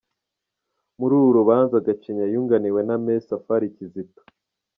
Muri uru rubanza, Gacinya yunganiwe na Me Safari Kizito.